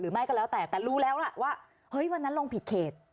ไม่ก็แล้วแต่แต่รู้แล้วล่ะว่าเฮ้ยวันนั้นลงผิดเขต